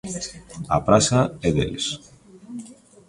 A Praza é deles.